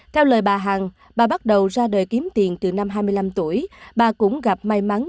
theo lời bà hằng bà bắt đầu ra đời kiếm tiền từ năm hai mươi năm tuổi bà cũng gặp may mắn